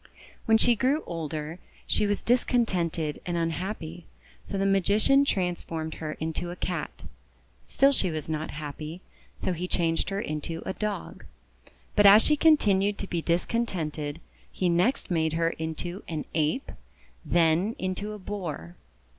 When she grew older, she was discontented and unhappy; so the Magician transformed her into a Cat. Still she was not happy, so he changed her into a Dog. But as she continued to be discontented, he next made her into an Ape, then into a Boar.